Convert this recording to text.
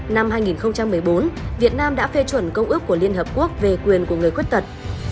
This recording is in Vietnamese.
năm hai nghìn một mươi bốn việt nam đã phê chuẩn công ước của liên hợp quốc về quyền của người khuyết tật